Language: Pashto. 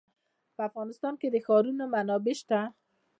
په افغانستان کې د ښارونه منابع شته.